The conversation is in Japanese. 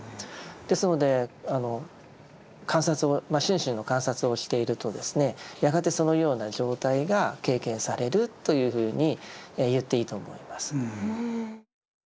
ですので観察を心身の観察をしているとですねやがてそのような状態が経験されるというふうに言っていいと思います。